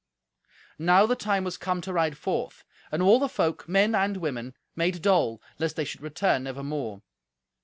Now the time was come to ride forth, and all the folk, men and women, made dole, lest they should return never more.